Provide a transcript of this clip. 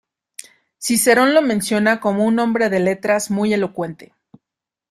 Cicerón lo menciona como un hombre de letras y muy elocuente.